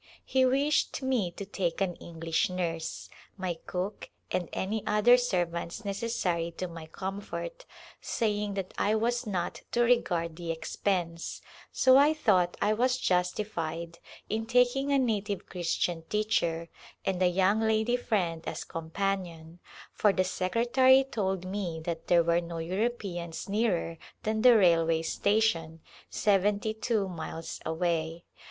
He wished me to take an English nurse, my cook and any other servants necessary to my comfort, saying that I was not to regard the expense, so I thought I was justified in taking a native Christian ['59] A Glimpse of India teacher, and a young ladv friend as companion, for the secretary told me that there were no Europeans nearer than the railway station, seventy two miles away.